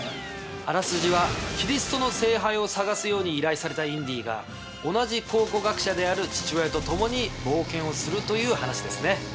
あらすじはキリストの聖杯を探すように依頼されたインディが同じ考古学者である父親と共に冒険をするという話ですね。